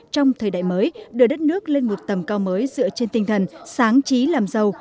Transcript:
trong thời đại mới đưa đất nước lên một tầm cao mới dựa trên tinh thần sáng trí làm giàu